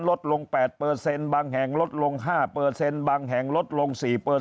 ลดลง๘บางแห่งลดลง๕บางแห่งลดลง๔